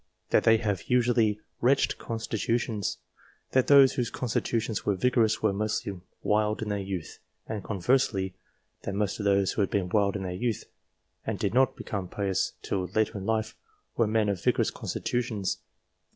That they have usually wretched constitutions. That those whose constitutions were vigorous, were mostly wild in their youth ; and conversely, that most of those who had been wild in their youth and did not become pious till later in life, were men of vigorous constitutions.